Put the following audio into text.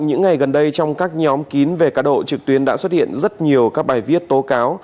những ngày gần đây trong các nhóm kín về cá độ trực tuyến đã xuất hiện rất nhiều các bài viết tố cáo